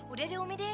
udah deh umi deh